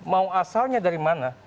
mau asalnya dari mana